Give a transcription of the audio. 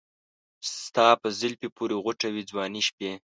ستا په زلفې پورې غوټه وې ځواني شپې